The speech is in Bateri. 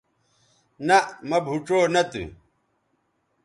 نہء مہ بھوڇؤ نہ تھو